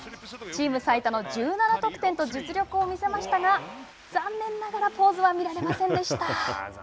チーム最多の１７得点と実力を見せましたが残念ながらポーズは見られませんでした。